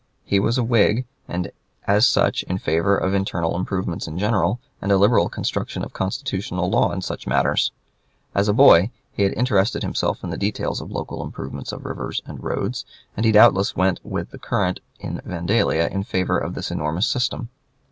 He was a Whig, and as such in favor of internal improvements in general and a liberal construction of constitutional law in such matters. As a boy, he had interested himself in the details of local improvements of rivers and roads, and he doubtless went with the current in Vandalia in favor of this enormous system.